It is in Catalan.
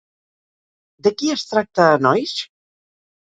De qui es tracta Enoix?